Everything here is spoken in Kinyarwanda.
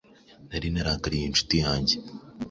Nari narakariye inshuti yanjye: